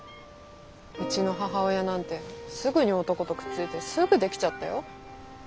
うちの母親なんてすぐに男とくっついてすぐ出来ちゃったよ。